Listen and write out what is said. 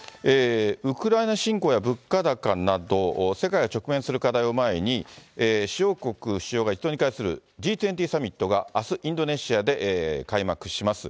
ウクライナ侵攻や物価高など、世界が直面する課題を前に、主要国首脳が一堂に会するＧ２０サミットがあすインドネシアで開幕します。